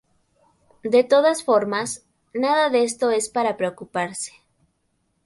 De todas formas, nada de esto es para preocuparse".